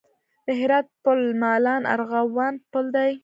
د هرات پل مالان ارغوان پل دی